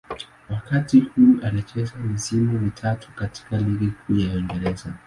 Wakati huu alicheza misimu mitatu katika Ligi Kuu ya Uingereza.